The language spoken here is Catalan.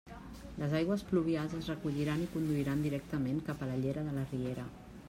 Les aigües pluvials es recolliran i conduiran directament cap a la llera de la riera.